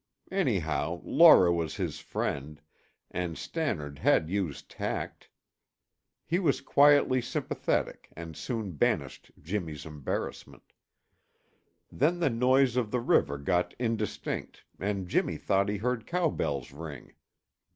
Anyhow, Laura was his friend, and Stannard had used tact. He was quietly sympathetic and soon banished Jimmy's embarrassment. Then the noise of the river got indistinct and Jimmy thought he heard cow bells ring.